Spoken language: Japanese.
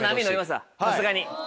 さすがに。